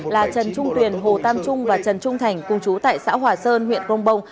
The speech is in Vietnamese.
là trần trung tuyền hồ tam trung và trần trung thành cùng chú tại xã hòa sơn huyện grongbong